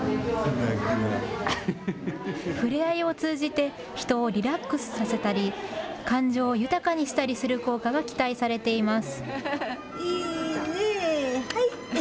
触れ合いを通じて人をリラックスさせたり感情を豊かにしたりする効果が期待されています。